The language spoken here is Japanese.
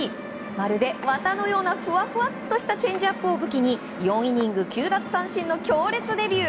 まるで綿のようなふわふわっとしたチェンジアップを武器に４イニング９奪三振の強烈デビュー。